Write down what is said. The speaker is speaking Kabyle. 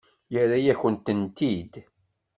Yerra-yakent-tent-id.